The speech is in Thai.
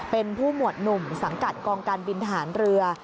เป็นผู้หมวดหนุ่มสังกัดกองการบินทหารเรือ